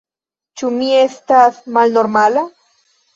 Ĉu mi estas malnormala?